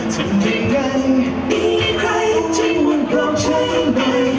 ทำได้ไงอีกใครที่มันบอกฉันไง